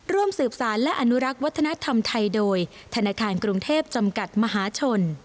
ร่วมสืบสารและอนุรักษ์วัฒนธรรมไทยโดยธนาคารกรุงเทพจำกัดมหาชน